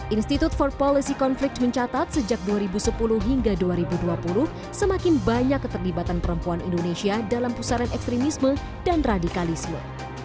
institute for policy conflict mencatat sejak dua ribu sepuluh hingga dua ribu dua puluh semakin banyak keterlibatan perempuan indonesia dalam pusaran ekstremisme dan radikalisme